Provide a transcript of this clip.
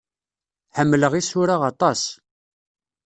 Ḥemmleɣ isura aṭas.